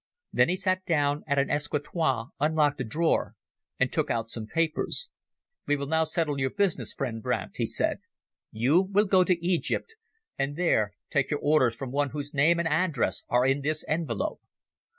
Then he sat down at an escritoire, unlocked a drawer and took out some papers. "We will now settle your business, friend Brandt," he said. "You will go to Egypt and there take your orders from one whose name and address are in this envelope.